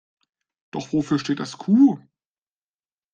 Doch wofür steht das Q?